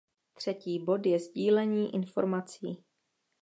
Třetí bod je sdílení informací.